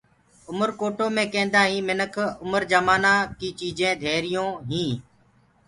اُمرڪوٽو مي ڪيندآئين منک اُمرو جمآنآ ڪي چيجين ڌيريون هين